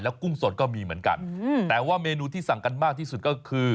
กุ้งสดก็มีเหมือนกันแต่ว่าเมนูที่สั่งกันมากที่สุดก็คือ